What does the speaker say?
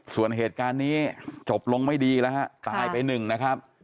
ส่วนเหตุการณ์นี้จบลงไม่ดีแล้วฮะตายไปหนึ่งนะครับ